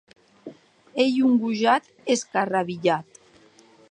Ei un gojat escarrabilhat.